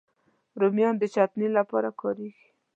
رومیان د چټني لپاره کارېږي